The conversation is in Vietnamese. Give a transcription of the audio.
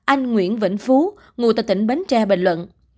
anh nguyễn vĩnh phú ngụ tại tỉnh bến tre bình luận